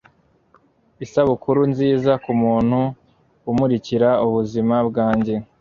isabukuru nziza kumuntu umurikira ubuzima bwanjye